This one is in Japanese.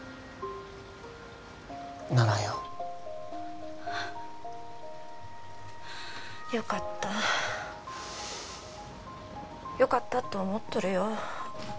ならんよよかったよかったと思っとるよ